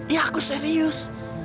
ya aku serius